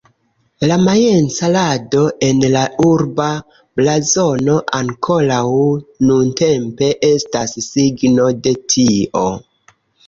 La majenca rado en la urba blazono ankoraŭ nuntempe estas signo de tio.